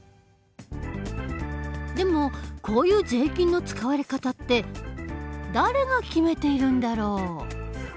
でもこういう税金の使われ方って誰が決めているんだろう？